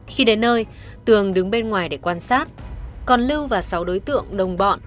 khi đến nơi tường đứng bên ngoài để quan sát còn lưu và sáu đối tượng đồng bọn